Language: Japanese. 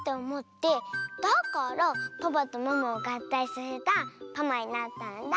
だからパパとママをがったいさせたパマになったんだ。